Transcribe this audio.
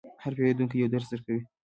هر پیرودونکی یو درس درکوي.